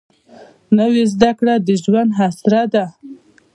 نوې زده کړه د ژوند اسره ده